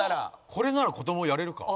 これなら子供やれるか。